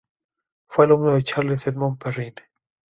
Fue alumno de Charles-Edmond Perrin.